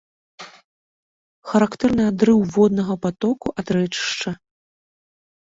Характэрны адрыў воднага патоку ад рэчышча.